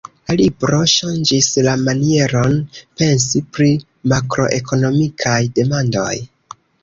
La libro ŝanĝis la manieron pensi pri makroekonomikaj demandoj.